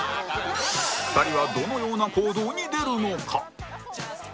２人はどのような行動に出るのか？